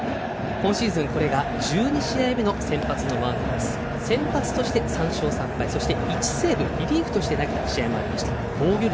今シーズン、これが１２試合目の先発のマウンドで先発として３勝３敗そして、１セーブリリーフとして投げた試合もありました。